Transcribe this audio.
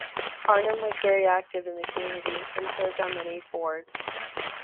Harnum was very active in the community and served on many boards.